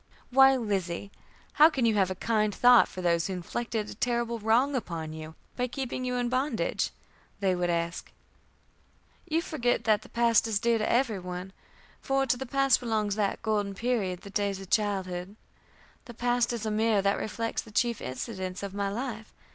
"Why, Lizzie, how can you have a kind thought for those who inflicted a terrible wrong upon you by keeping you in bondage?" they would ask. "You forget the past is dear to every one, for to the past belongs that golden period, the days of childhood. The past is a mirror that reflects the chief incidents of my life.